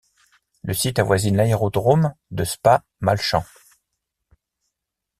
Le site avoisine l'aérodrome de Spa-Malchamps.